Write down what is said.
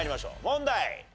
問題。